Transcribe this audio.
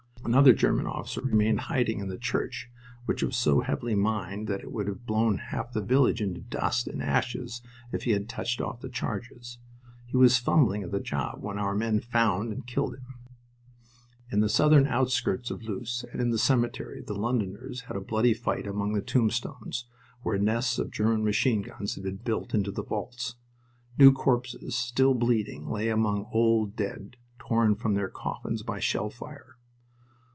Another German officer remained hiding in the church, which was so heavily mined that it would have blown half the village into dust and ashes if he had touched off the charges. He was fumbling at the job when our men found and killed him. In the southern outskirts of Loos, and in the cemetery, the Londoners had a bloody fight among the tombstones, where nests of German machine guns had been built into the vaults. New corpses, still bleeding, lay among old dead torn from their coffins by shell fire.